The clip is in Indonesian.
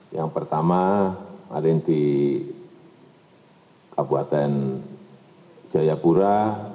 yang pertama kemarin di kabupaten jayapura